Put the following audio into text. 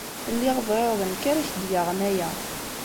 Lliɣ bɣiɣ d nekk ara ak-d-yaɣen aya.